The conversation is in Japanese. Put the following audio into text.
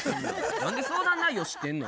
何で相談内容知ってんの？